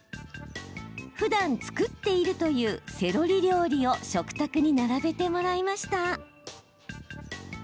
ふだん作っているというセロリ料理を食卓に並べてもらいました。